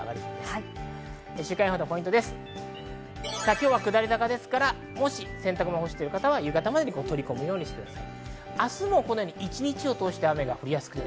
今日は下り坂ですから、もし洗濯物を干すという方は夕方までに取り込むようにしてください。